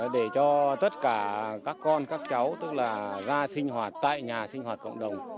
để cho tất cả các con các cháu tức là ra sinh hoạt tại nhà sinh hoạt cộng đồng